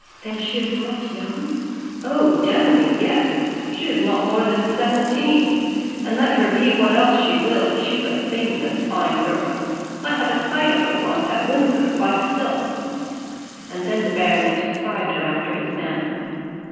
then she is not young?" "Oh, damme, yes, she is not more than seventeen, and, let her be what else she will, she's a famous fine girl. I had a sight of her once at Windsor, by stealth." And then the baronet described her after his manner.